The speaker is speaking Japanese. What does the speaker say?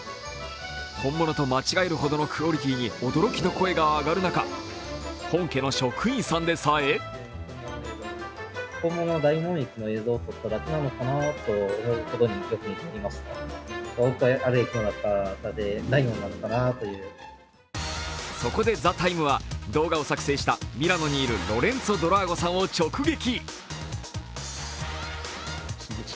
本物と間違えるほどのクオリティーに驚きの声が上がる中本家の職員さんでさえそこで「ＴＨＥＴＩＭＥ，」は動画を作成したミラノにいるロレンツォ・ドラーゴさんを直撃。